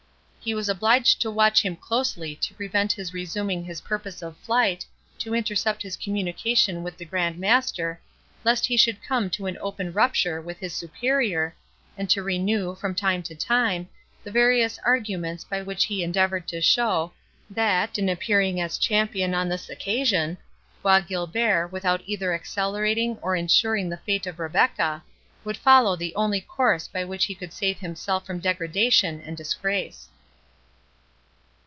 He was obliged to watch him closely to prevent his resuming his purpose of flight, to intercept his communication with the Grand Master, lest he should come to an open rupture with his Superior, and to renew, from time to time, the various arguments by which he endeavoured to show, that, in appearing as champion on this occasion, Bois Guilbert, without either accelerating or ensuring the fate of Rebecca, would follow the only course by which he could save himself from degradation and disgrace.